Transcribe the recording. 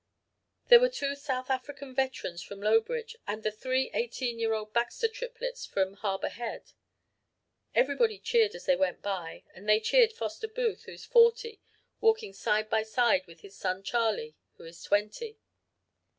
There were two South African veterans from Lowbridge, and the three eighteen year old Baxter triplets from Harbour Head. Everybody cheered as they went by, and they cheered Foster Booth, who is forty, walking side by side with his son Charley who is twenty.